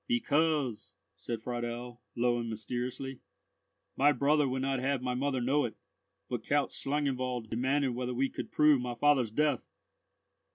"Because," said Friedel, low and mysteriously—"my brother would not have my mother know it, but—Count Schlangenwald demanded whether we could prove my father's death."